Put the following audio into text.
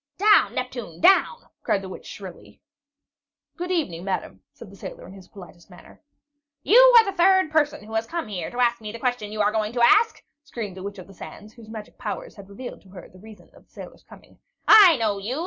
"Down, Neptune, down!" cried the witch shrilly. "Good evening, madam," said the sailor in his politest manner. "You are the third person who has come here to ask me the question you are going to ask," screamed the Witch of the Sands, whose magic powers had revealed to her the reason of the sailor's coming. "I know you!